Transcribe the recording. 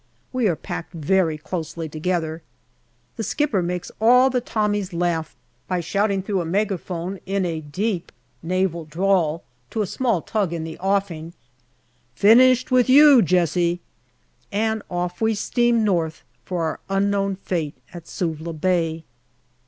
We are packed very closely together. The skipper makes all the Tommies laugh by shouting through a megaphone, in a deep Naval drawl, to a small tug in the offing, " Finished with you, Jessie !" and off we steam north, for our unknown fate at Suvla Bay.